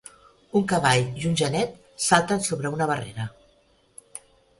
Un cavall i un genet salten sobre una barrera.